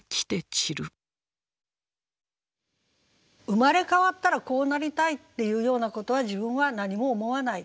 「生まれ変わったらこうなりたいっていうようなことは自分は何も思わない。